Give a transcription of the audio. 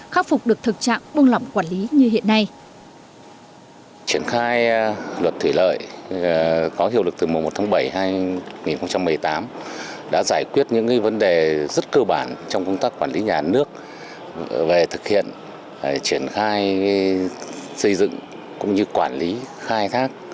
khắc phục được thực trạng buông lỏng quản lý như hiện nay